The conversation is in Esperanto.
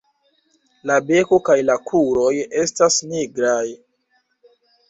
La beko kaj la kruroj estas nigraj.